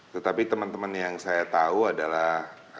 tetapi teman teman yang saya tahu adalah